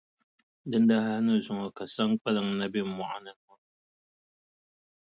Dindali hali ni zuŋɔ ka Saŋkpaliŋ na be mɔɣu ni ŋɔ.